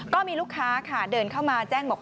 ก็มีลูกค้าค่ะเดินเข้ามาแจ้งบอก